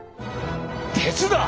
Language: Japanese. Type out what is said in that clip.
鉄だ！